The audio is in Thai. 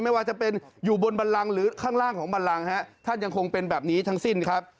ไม่ว่าจะเป็นอยู่บนบันลังหรือข้างล่างของบันลังฮะท่านยังคงเป็นแบบนี้ทั้งสิ้นครับ